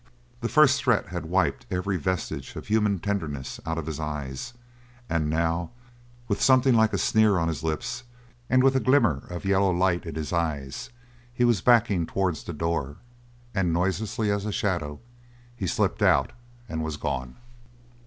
The first threat had wiped every vestige of human tenderness out of his eyes, and now, with something like a sneer on his lips, and with a glimmer of yellow light in his eyes, he was backing towards the door, and noiselessly as a shadow he slipped out and was gone.